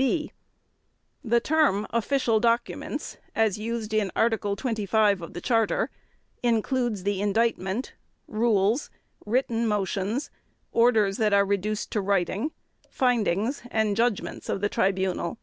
(b) The term "official documents" as used in Article 25 of the Charter includes the Indictment, rules, written motions, orders that are reduced to writing, findings, and judgments of the Tribunal.